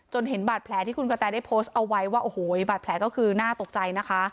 เห็นบาดแผลที่คุณกระแตได้โพสต์เอาไว้ว่าโอ้โหบาดแผลก็คือน่าตกใจนะคะ